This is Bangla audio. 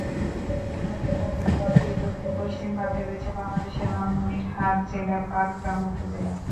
এছাড়াও আন্তর্জাতিকভাবে ব্লকটির দক্ষিণ পশ্চিম প্রান্তে রয়েছে বাংলাদেশের লালমনিরহাট জেলার পাটগ্রাম উপজেলা।